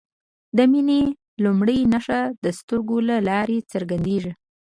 د مینې لومړۍ نښه د سترګو له لارې څرګندیږي.